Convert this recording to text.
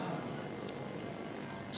assalamualaikum warahmatullahi wabarakatuh